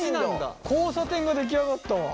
交差点が出来上がったわ。